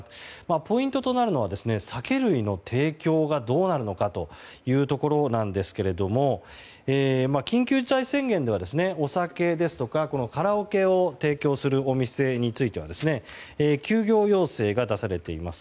ポイントとなるのは酒類の提供がどうなるのかというところですが緊急事態宣言ではお酒ですとか、カラオケを提供するお店については休業要請が出されています。